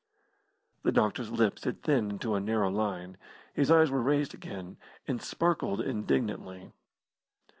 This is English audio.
The doctor's lips had thinned into a narrow line. His eyes were raised again, and sparkled indignantly.